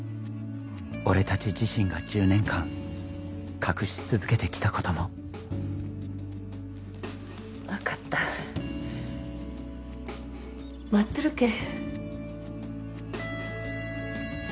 俺達自身が１０年間隠し続けてきたことも分かった待っとるけん